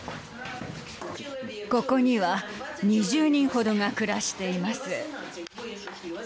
ここには２０人程が暮らしています。